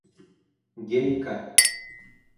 – Гейка!